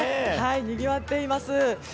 にぎわっています。